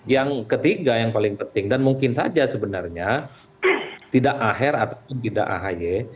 yang ketiga yang paling penting dan mungkin saja sebenarnya tidak ahyr atau tidak ahyr